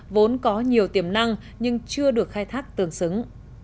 vốn có nhiều tiềm năng nhưng chưa được khai thác tương xứng